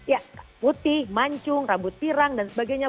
ya putih mancung rambut pirang dan sebagainya